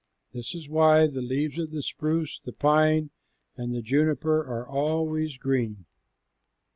This is why the leaves of the spruce, the pine, and the juniper are always green.